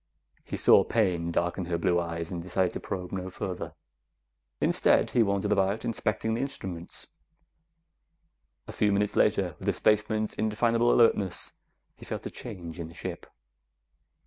He saw pain darken her blue eyes and decided to probe no further. Instead, he wandered about, inspecting the instruments. A few minutes later, with a spaceman's indefinable alertness, he felt a change in the ship.